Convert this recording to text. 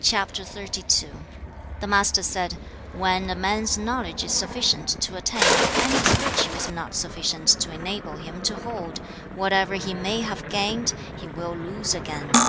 The Master said, 'When a man's knowledge is sufficient to attain, and his virtue is not sufficient to enable him to hold, whatever he may have gained, he will lose again. 2.